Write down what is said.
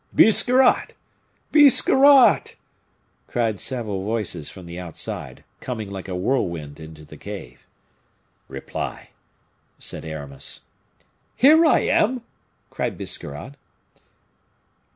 "Biscarrat! Biscarrat!" cried several voices from the outside, coming like a whirlwind into the cave. "Reply," said Aramis. "Here I am!" cried Biscarrat.